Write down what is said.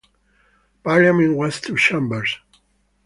Parliament has two chambers.